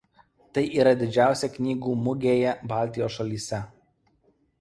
Tai yra didžiausia knygų mugėje Baltijos šalyse.